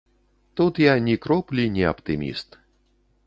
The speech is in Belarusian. Тут я ні кроплі не аптыміст.